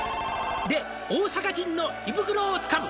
「○○で大阪人の胃袋をつかむ」